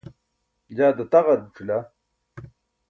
jaa dataġar ẓucila